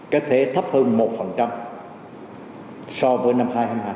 cái thế thấp hơn một so với năm hai nghìn hai mươi hai